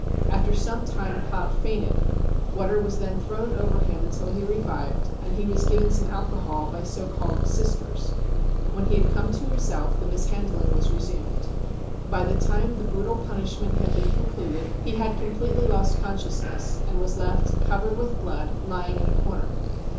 After some time Plaut fainted ; water was then thrown over him until he revived, when he was given some alcohol j by so called £ sisters.' When he had come to hi ms elf the j mishandling was resumed. By the time the brutal punish ment had been concluded he had completely lost conscious ness, and was left, covered with blood, lying in a corner.